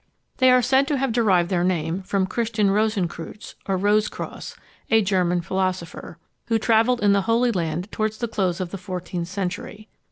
They are said to have derived their name from Christian Rosencreutz, or "Rose cross," a German philosopher, who travelled in the Holy Land towards the close of the fourteenth century.